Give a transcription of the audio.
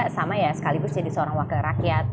sama ya sekaligus jadi seorang wakil rakyat